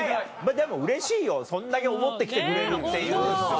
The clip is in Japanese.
でもうれしいよそんだけ思って来てくれるっていうのは。